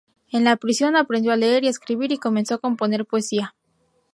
En la prisión aprendió a leer y escribir y comenzó a componer poesía.